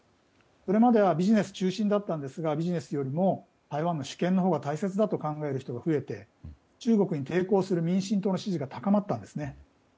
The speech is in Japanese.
これまではビジネス中心でしたがビジネスよりも台湾の主権のほうが大切だと考える人が増えて中国に抵抗する民進党の支持が高まったんですね。